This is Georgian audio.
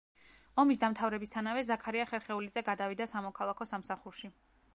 ომის დამთავრებისთანავე, ზაქარია ხერხეულიძე გადავიდა სამოქალაქო სამსახურში.